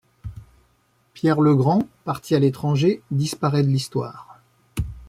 Pierre Le Grand, parti à l'étranger, disparaît de l'histoire.